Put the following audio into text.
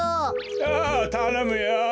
ああたのむよ。